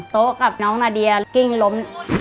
โต๊ะกับน้องนาเดียกิ้งล้ม